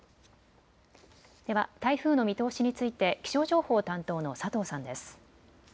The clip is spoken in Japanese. では台風の見通しについて気象情報担当の佐藤さんです。